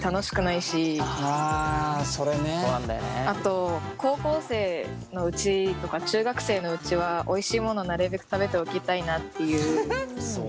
あと高校生のうちとか中学生のうちはおいしいものをなるべく食べておきたいなっていう。